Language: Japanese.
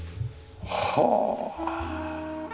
はあ！